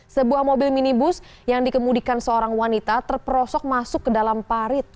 sebuah mobil minibus yang dikemudikan seorang wanita terperosok masuk ke dalam parit